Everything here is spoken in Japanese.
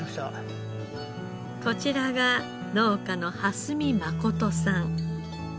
こちらが農家の荷見誠さん。